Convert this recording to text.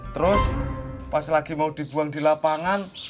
terus pas lagi mau dibuang di lapangan